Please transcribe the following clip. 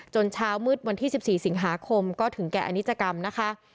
เช้ามืดวันที่๑๔สิงหาคมก็ถึงแก่อนิจกรรมนะคะ